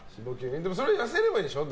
それ、痩せればいいでしょ